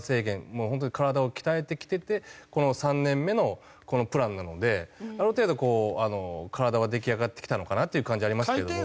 もう本当に体を鍛えてきててこの３年目のこのプランなのである程度こう体は出来上がってきたのかなっていう感じはありますけれども。